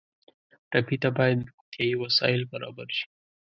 ټپي ته باید روغتیایي وسایل برابر شي.